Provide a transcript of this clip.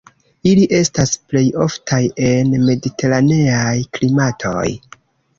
Ili estas plej oftaj en mediteraneaj klimatoj.